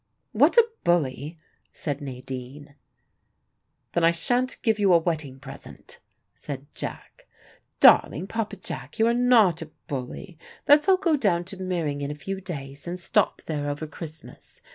"What a bully!" said Nadine. "Then I shan't give you a wedding present," said Jack. "Darling Papa Jack, you are not a bully. Let's all go down to Meering in a few days, and stop there over Christmas.